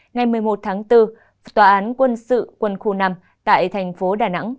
ngày một mươi một tháng bốn tòa án quân sự quân khu năm tại thành phố đà nẵng